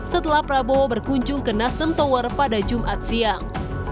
setelah prabowo berkunjung ke nasdem tower pada jumat siang